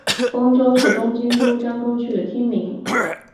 丰洲是东京都江东区的町名。